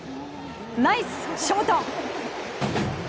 ナイスショート！